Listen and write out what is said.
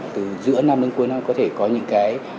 từ giữa năm đến cuối năm có thể có những cái